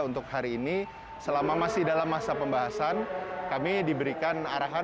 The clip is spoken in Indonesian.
terima kasih terima kasih